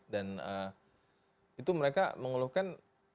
dan itu mereka mengeluhkan